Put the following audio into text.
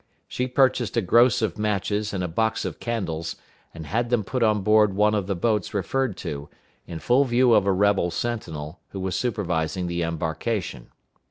She purchased a gross of matches and a box of candles, and had them put on board one of the boats referred to, in full view of a rebel sentinel, who was supervising the embarkation.